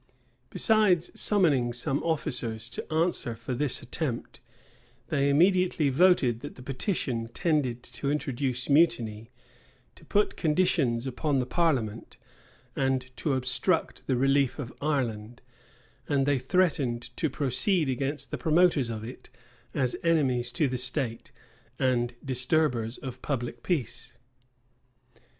Besides summoning some officers to answer for this attempt, they immediately voted, that the petition tended to introduce mutiny, to put conditions upon the parliament, and to obstruct the relief of Ireland; and they threatened to proceed against the promoters of it as enemies to the state, and disturbers of public peace.